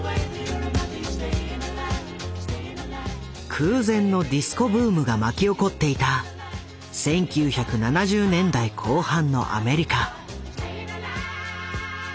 空前のディスコ・ブームが巻き起こっていた１９７０年代後半のアメリカ。